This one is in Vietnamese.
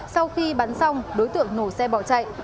sau khi bắn xong đối tượng nổ xe bỏ chạy